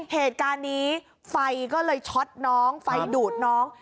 เหตุการณ์นี้ไฟก็เลยช็อตน้องไฟดูดน้อง